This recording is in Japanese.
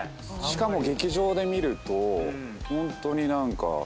しかも劇場で見るとホントに何か。